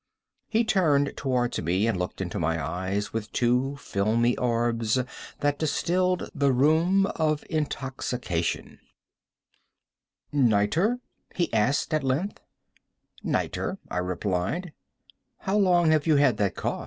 He turned towards me, and looked into my eyes with two filmy orbs that distilled the rheum of intoxication. "Nitre?" he asked, at length. "Nitre," I replied. "How long have you had that cough?" "Ugh! ugh! ugh!—ugh! ugh! ugh!—ugh!